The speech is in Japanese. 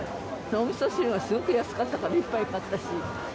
おみそ汁がすごく安かったからいっぱい買ったし。